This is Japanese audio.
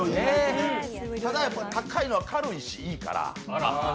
ただ、高いのは軽いし、いいから。